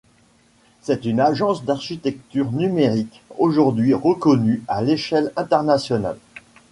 C’est une agence d’architecture numérique aujourd’hui reconnue à l’échelle internationale.